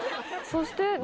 そして。